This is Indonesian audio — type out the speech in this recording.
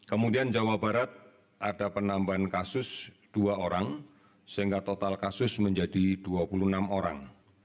kemudian jawa barat ada penambahan kasus dua orang sehingga total kasus menjadi dua puluh enam orang